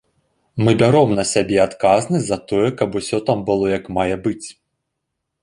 Мы бяром на сябе адказнасць за тое, каб усё там было як мае быць.